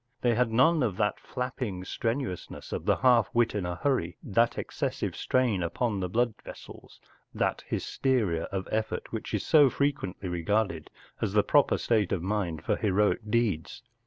They had none of that flapping strenuousness of the half wit in a hurry, that excessive strain upon the blood vessels, that hysteria of effort which is so frequently regarded as the proper state of mind for heroic deeds.